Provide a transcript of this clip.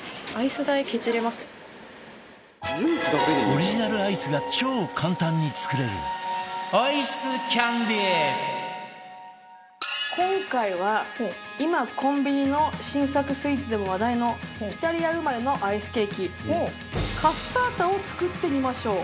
オリジナルアイスが超簡単に作れる今回は今コンビニの新作スイーツでも話題のイタリア生まれのアイスケーキカッサータを作ってみましょう。